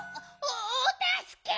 おおたすけ。